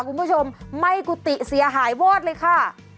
คุณผู้ชมไหม้กุฏิเสียหายวอดเลยค่ะ